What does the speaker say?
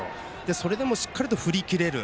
それでも、しっかりと振り切れる。